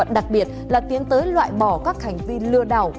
đến tới loại bỏ các hành vi lừa đảo